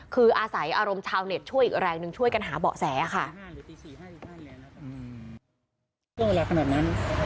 คืออาศัยอารมณ์ชาวเน็ตช่วยอีกแรงหนึ่งช่วยกันหาเบาะแสค่ะ